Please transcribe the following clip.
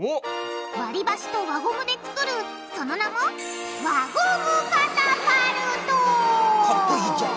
割り箸と輪ゴムで作るその名もかっこいいじゃん。